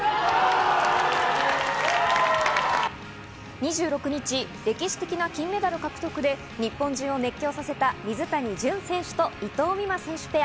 ２６日、歴史的な金メダル獲得で日本中を熱狂させた水谷隼選手と伊藤美誠選手ペア。